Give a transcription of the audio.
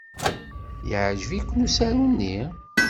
Yeɛjeb-iken usaru-nni?